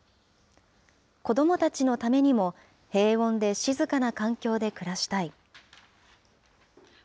子どもたちのためにも平穏で静かな環境で暮らしたい。